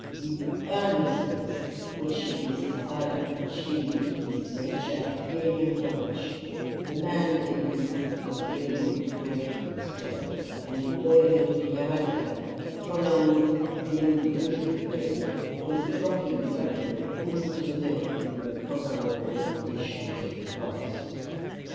The earnestness which this desire infused into his nature gave him courage; the man within him was beginning to wake and stir; and a boyhood of character, prolonged beyond the usual date, was dropping rapidly into the irrecoverable conditions of the past.